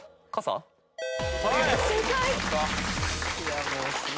正解。